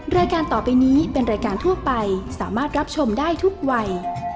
รายการต่อไปนี้เป็นรายการทั่วไปสามารถรับชมได้ทุกวัย